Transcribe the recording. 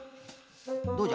どうじゃ？